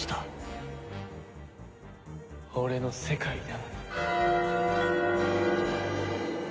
俺の世界だ。